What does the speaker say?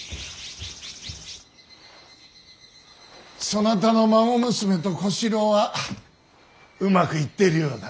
そなたの孫娘と小四郎はうまくいっているようだな。